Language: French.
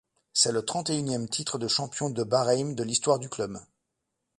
C'est le trente-et-unième titre de champion de Bahreïn de l'histoire du club.